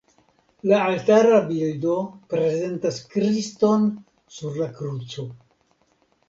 La altara bildo prezentas Kriston sur la kruco.